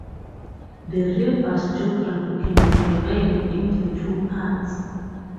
The river's geography can be divided into two parts.